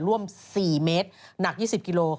ร่วม๔เมตรหนัก๒๐กิโล